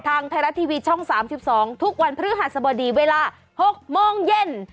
ทางไทยรัฐทีวีช่อง๓๒ทุกวันพฤหัสบดีเวลา๖โมงเย็น